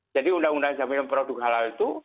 jadi undang undang jaminan produk halal itu